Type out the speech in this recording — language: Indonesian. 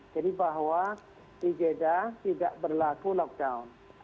jadi bahwa di jeddah tidak berlaku lockdown